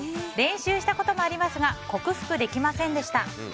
練習したこともありますが克服できませんでした。